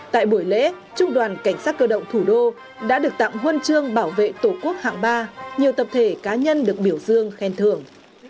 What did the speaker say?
tại buổi lễ trung đoàn cảnh sát cơ động thủ đô đã được tặng huân chương bảo vệ tổ quốc hạng ba nhiều tập thể cá nhân được biểu dương khen thưởng